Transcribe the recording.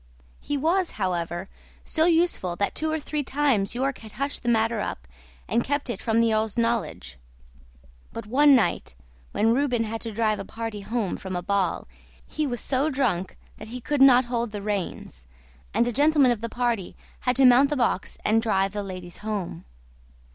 He was, however, so useful that two or three times York had hushed the matter up and kept it from the earl's knowledge; but one night, when Reuben had to drive a party home from a ball he was so drunk that he could not hold the reins, and a gentleman of the party had to mount the box and drive the ladies home.